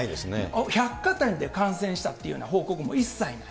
百貨店で感染したっていうような報告も一切ない。